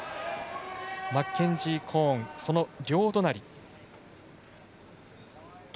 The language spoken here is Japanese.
マッケンジー・コーンその両隣。